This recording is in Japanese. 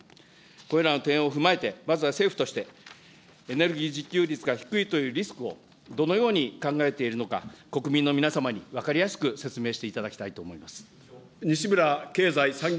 これらの点を踏まえて、まずは政府として、エネルギー自給率が低いというリスクをどのように考えているのか、国民の皆様に分かりやすく説明していただきたいと思います。